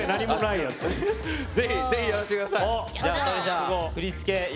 ぜひ、やらせてください！